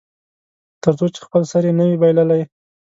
تر څو چې خپل سر یې نه وي بایللی.